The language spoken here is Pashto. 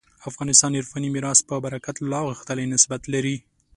افغانستان عرفاني میراث په برکت لا غښتلی نسبت لري.